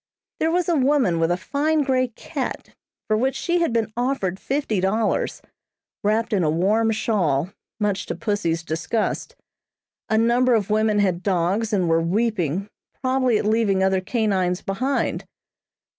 There was a woman with a fine grey cat, for which she had been offered fifty dollars, wrapped in a warm shawl, much to pussy's disgust. A number of women had dogs and were weeping, probably at leaving other canines behind.